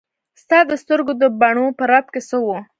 ستا د سترګو د بڼو په رپ کې څه وو.